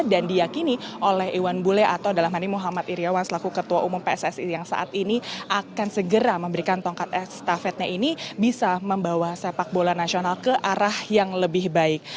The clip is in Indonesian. dan diyakini oleh iwan bule atau dalam hal ini muhammad iryawan selaku ketua umum pssi yang saat ini akan segera memberikan tongkat estafetnya ini bisa membawa sepak bola nasional ke arah yang lebih baik